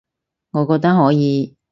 我覺得可以